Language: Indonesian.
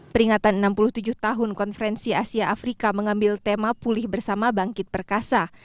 peringatan enam puluh tujuh tahun konferensi asia afrika mengambil tema pulih bersama bangkit perkasa